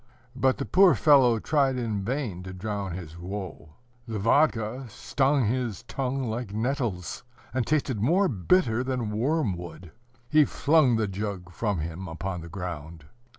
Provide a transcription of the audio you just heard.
But the poor fellow tried in vain to drown his woe. The vodka stung his tongue like nettles, and tasted more bitter than wormwood. He flung the jug from him upon the ground.